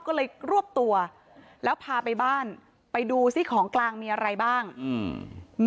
ก็เลยรวบตัวแล้วพาไปบ้านไปดูซิของกลางมีอะไรบ้างอืม